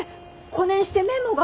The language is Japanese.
こねんしてメモが。